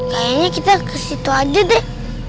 kayaknya kita ke situ aja deh